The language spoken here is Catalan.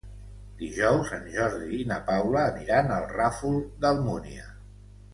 Dijous en Jordi i na Paula aniran al Ràfol d'Almúnia.